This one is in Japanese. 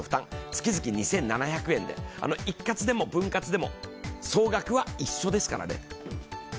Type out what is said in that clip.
月々２７００円で、一括でも分割でも総額は一緒ですからね。